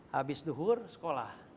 habis duhur sekolah